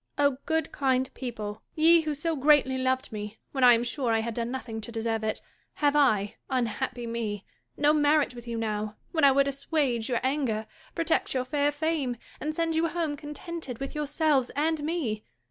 O good kind people ! ye who so greatly loved me, when I am sure I had done nothing to deserve it, have I (unhappy me !) no merit with you now, when I would assuage your anger, protect your fair fame, and send you home contented with yourselves and me